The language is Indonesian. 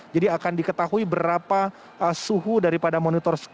jadi akan diketahui berapa suhu daripada monitor scan